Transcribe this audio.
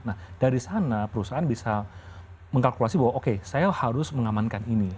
nah dari sana perusahaan bisa mengkalkulasi bahwa oke saya harus mengamankan ini